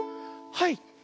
はい。